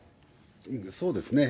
そうですね。